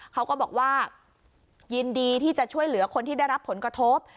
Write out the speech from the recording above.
เขาก็บอกว่ายินดีที่จะช่วยเหลือคนที่ได้รับผลกระทบ